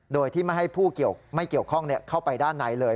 โดยที่ไม่ให้ผู้ไม่เกี่ยวข้องเข้าไปด้านในเลย